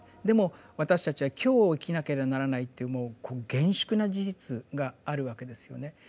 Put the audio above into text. でも私たちは今日を生きなけりゃならないっていうもう厳粛な事実があるわけですよね。